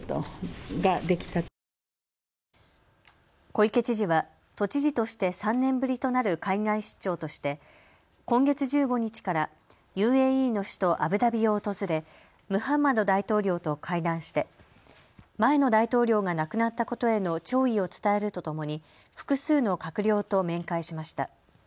小池知事は都知事として３年ぶりとなる海外出張として今月１５日からＵＡＥの首都アブダビを訪れムハンマド大統領と会談して前の大統領が亡くなったことへの弔意を伝えるとともに複数の閣僚と面会しました。